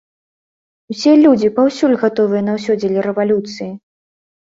Усе людзі паўсюль гатовыя на ўсё дзеля рэвалюцыі!